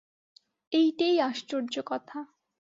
এইটেই আশ্চর্য কথা।